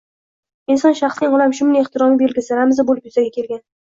inson shaxsining olamshumul ehtiromi belgisi, ramzi bo‘lib yuzaga kelgan